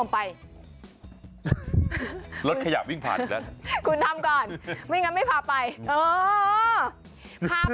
รถขยะวิ่งผ่านอีกแล้วคุณทำก่อนไม่งั้นไม่พาไป